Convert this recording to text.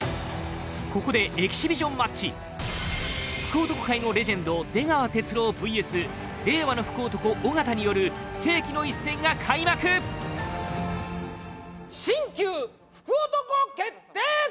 ここでエキシビションマッチ福男界のレジェンド出川哲朗ＶＳ令和の福男尾形による世紀の一戦が開幕新旧福男決定戦！